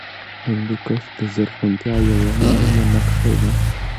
هندوکش د زرغونتیا یوه مهمه نښه ده.